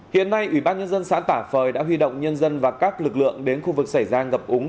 hiện nay ủy ban nhân dân xã tả phời đã huy động nhân dân và các lực lượng đến khu vực xảy ra ngập úng